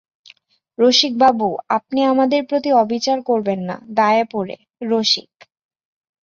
রসিকবাবু, আপনি আমাদের প্রতি অবিচার করবেন না– দায়ে পড়ে– রসিক।